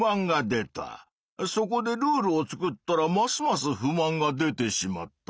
そこでルールを作ったらますます不満が出てしまった。